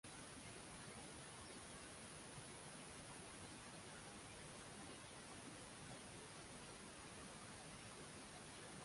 এটিকে দুটি শ্রেণিতে বিভক্ত করা হয়েছে: 'শ্রেণিবদ্ধ ফটোগ্রাফ' এবং 'পাবলিক ফটোগ্রাফ'।